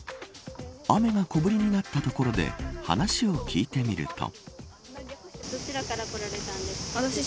雨が小降りになったところで話を聞いてみると。